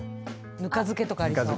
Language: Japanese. ぬか漬けとかありそう。